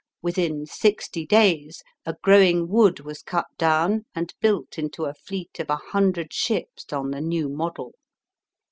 Within sixty days, a growing wood was cut down and built into a fleet of a hundred ships on the new model.